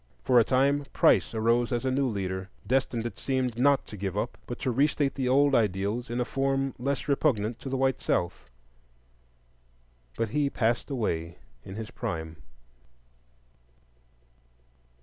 For a time Price arose as a new leader, destined, it seemed, not to give up, but to re state the old ideals in a form less repugnant to the white South. But he passed away in his prime.